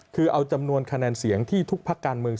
คือเอาจำนวนคะแนนเสียงที่ทุกพักการเมือง